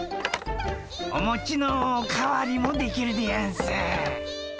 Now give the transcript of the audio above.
おもちのお代わりもできるでやんす。